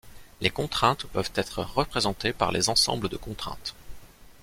Les contraintes peuvent être représentées par les ensembles de contraintes.